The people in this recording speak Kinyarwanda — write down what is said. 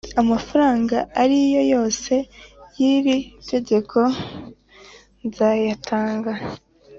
Amafaranga ari yo yose y iri tegeko nzayatanga